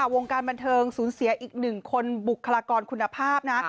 วงการบันเทิงสูญเสียอีกหนึ่งคนบุคลากรคุณภาพนะ